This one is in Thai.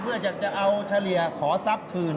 เพื่ออยากจะเอาเฉลี่ยขอทรัพย์คืน